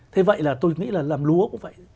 thế vậy là tôi nghĩ là làm lúa cũng vậy